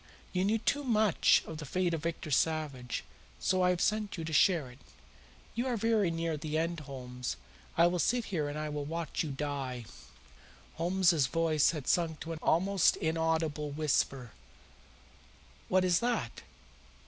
You knew too much of the fate of Victor Savage, so I have sent you to share it. You are very near your end, Holmes. I will sit here and I will watch you die." Holmes's voice had sunk to an almost inaudible whisper. "What is that?"